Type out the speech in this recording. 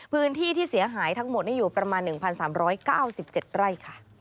พื้นที่ที่เสียหายทั้งหมดอยู่ประมาณ๑๓๙๗ไร่ค่ะ